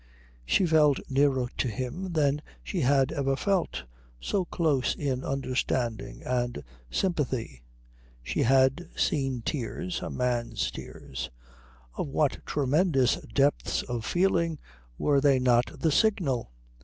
She felt nearer to him than she had ever felt, so close in understanding and sympathy. She had seen tears, a man's tears. Of what tremendous depths of feeling were they not the signal?